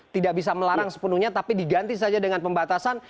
tidak bisa melarang sepenuhnya tapi diganti saja dengan pembatasan